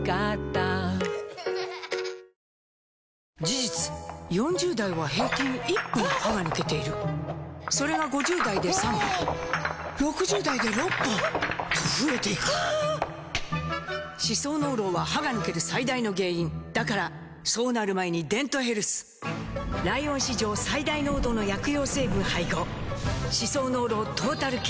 事実４０代は平均１本歯が抜けているそれが５０代で３本６０代で６本と増えていく歯槽膿漏は歯が抜ける最大の原因だからそうなる前に「デントヘルス」ライオン史上最大濃度の薬用成分配合歯槽膿漏トータルケア！